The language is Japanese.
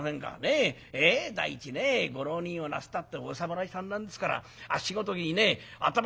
ええ第一ねご浪人をなすったってお侍さんなんですからあっしごときにね頭なんか下げちゃいけませんよ。